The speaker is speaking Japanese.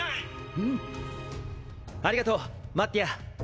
ありがとうマッティア。